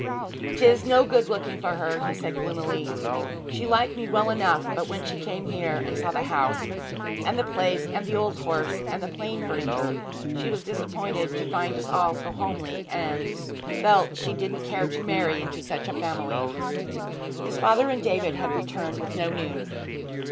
''Tis no good looking for her,' he said gloomily. 'She liked me well enough, but when she came here and saw the house, and the place, and the old horse, and the plain furniture, she was disappointed to find us all so homely, and felt she didn't care to marry into such a family!' His father and David had returned with no news.